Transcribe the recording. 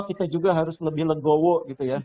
kita juga harus lebih legowo gitu ya